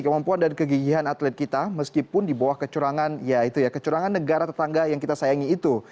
kemampuan dan kegigihan atlet kita meskipun di bawah kecurangan ya itu ya kecurangan negara tetangga yang kita sayangi itu